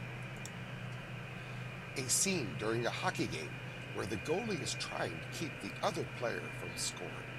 A scene during a hockey game where the goalie is trying to keep the other player from scoring